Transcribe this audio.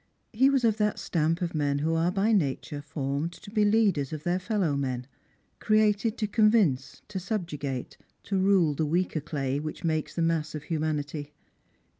He was of that stamp of men who are by nature formed to be leaders of their fellow men ; created to convince, to subjugate, to rule the weaker clay which makes the mass of humanity.